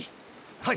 はい。